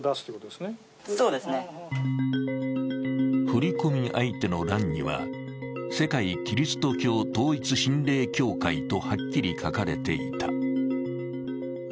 振り込み相手の欄には、世界基督教統一神霊協会とはっきり書かれていた。